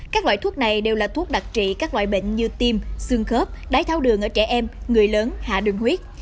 các loại thuốc này đều là thuốc đặc trị các loại bệnh như tim xương khớp đái tháo đường ở trẻ em người lớn hạ đường huyết